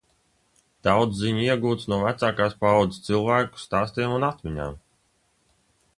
Daudz ziņu iegūts no vecākās paaudzes cilvēku stāstiem un atmiņām.